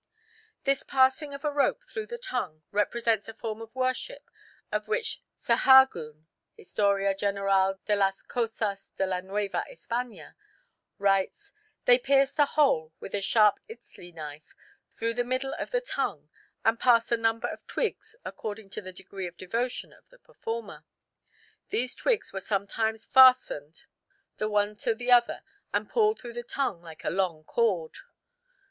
This passing of a rope through the tongue represents a form of worship of which Sahagun (Historia General de las Cosas de la Nueva España) writes: "They pierced a hole with a sharp itzli knife through the middle of the tongue and passed a number of twigs, according to the degree of devotion of the performer. These twigs were sometimes fastened the one to the other and pulled through the tongue like a long cord."